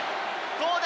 どうだ。